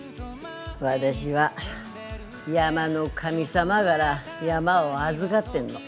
私は山の神様がら山を預がってんの。